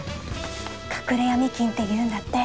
隠れヤミ金って言うんだって。